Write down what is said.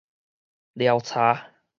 撩柴